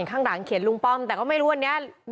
ข้างหลังเขียนลุงป้อมแต่ก็ไม่รู้วันนี้